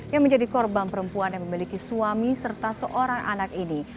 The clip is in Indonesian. yang menjadi korban perempuan yang memiliki suami serta seorang anak ini